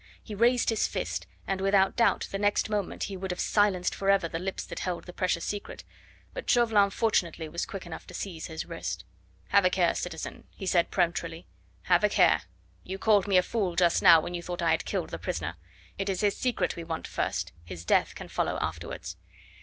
He raised his fist, and without doubt the next moment he would have silenced forever the lips that held the precious secret, but Chauvelin fortunately was quick enough to seize his wrist. "Have a care, citizen," he said peremptorily; "have a care! You called me a fool just now when you thought I had killed the prisoner. It is his secret we want first; his death can follow afterwards."